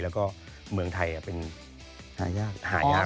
แล้วก็เมืองไทยหายากมาก